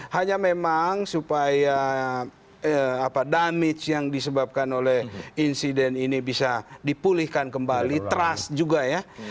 hanya memang supaya damage yang disebabkan oleh insiden ini bisa dipulihkan kembali trust juga ya